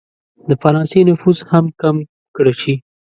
د فرانسې نفوذ هم کم کړه شي.